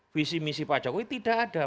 visi misi pak jokowi tidak ada